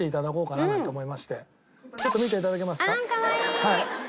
はい。